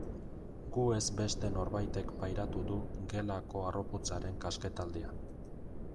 Gu ez beste norbaitek pairatu du gelako harroputzaren kasketaldia.